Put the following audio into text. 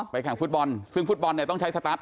แข่งฟุตบอลซึ่งฟุตบอลเนี่ยต้องใช้สตาร์